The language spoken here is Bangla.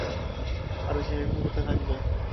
আরে, সে এখন কোথায় থাকবে?